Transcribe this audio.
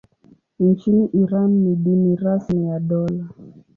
Nchini Iran ni dini rasmi ya dola.